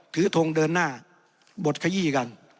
ทงเดินหน้าบดขยี้กัน